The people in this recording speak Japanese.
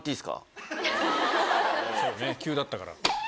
そうね急だったから。